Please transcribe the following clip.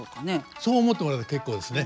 そう思ってもらえば結構ですね。